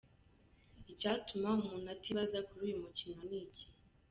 Icyatuma umuntu atibaza kuri uyu mukino ni iki ?